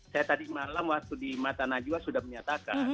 saya tadi malam waktu di mata najwa sudah menyatakan